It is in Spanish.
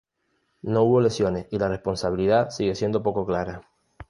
No hubo lesiones y la responsabilidad sigue siendo poco clara.